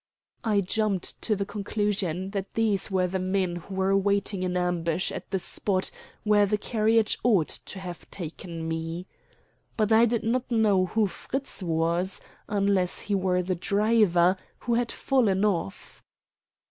I jumped to the conclusion that these were the men who were waiting in ambush at the spot where the carriage ought to have taken me. But I did not know who Fritz was, unless he were the driver, who had fallen off.